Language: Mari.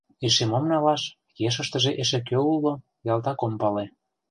Эше мом налаш, ешыштыже эше кӧ уло — ялтак ом пале.